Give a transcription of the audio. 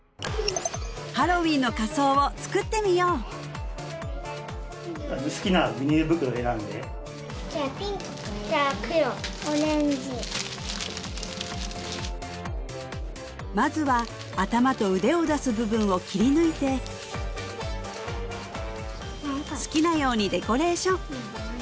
ハロウィンの仮装を作ってみよう好きなビニール袋選んでじゃあピンクがいいかなじゃあ黒オレンジまずは頭と腕を出す部分を切り抜いて好きなようにデコレーション